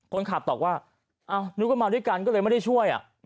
คนขับตอบว่านึกก็มาด้วยกันก็เลยไม่ได้ช่วย